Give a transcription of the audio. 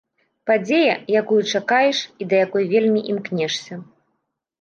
Падзея, якую чакаеш, і да якой вельмі імкнешся.